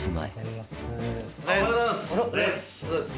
あらおはようございます。